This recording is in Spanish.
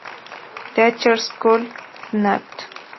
Teachers Coll., Nat.